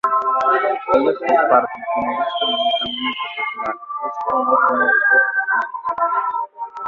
Ellos comparten que no buscan ningún camino en particular, buscan no tener expectativas.